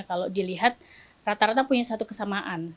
kalau dilihat rata rata punya satu kesamaan